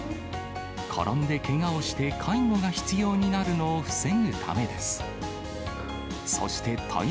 転んでけがをして、介護が必要になるのを防ぐためです。